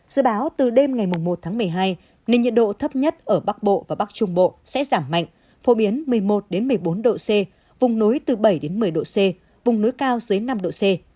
dự báo từ đêm ngày một tháng một mươi hai nền nhiệt độ thấp nhất ở bắc bộ và bắc trung bộ sẽ giảm mạnh phổ biến một mươi một một mươi bốn độ c vùng núi từ bảy một mươi độ c vùng núi cao dưới năm độ c